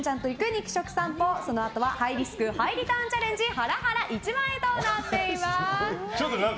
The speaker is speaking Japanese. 肉食さんぽそのあとはハイリスク・ハイリターンチャレンジハラハラ１万円となっています。